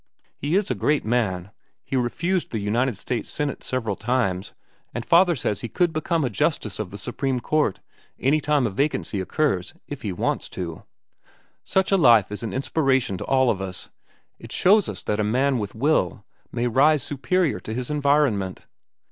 He is a great man. He refused the United States Senate several times, and father says he could become a justice of the Supreme Court any time a vacancy occurs, if he wants to. Such a life is an inspiration to all of us. It shows us that a man with will may rise superior to his environment."